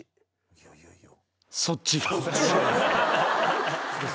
いやいやいや。